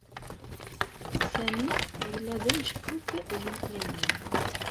Sami yella d ameckuk i d-yeflalin.